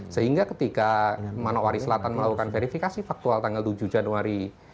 sehingga ketika manowari selatan melakukan verifikasi faktual tanggal tujuh januari